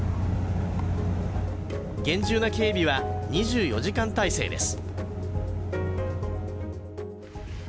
厳重な警備は２４時間態勢です。